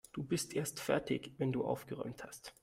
Du bist erst fertig, wenn du aufgeräumt hast.